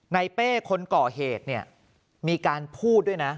ในเป้คนก่อเหตุมีการพูดด้วยนะ